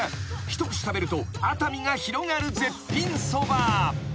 ［一口食べると熱海が広がる絶品そば］